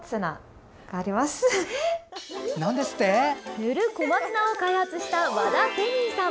塗る小松菜を開発した和田テニイさん。